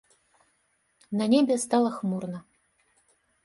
На небе стала хмурна.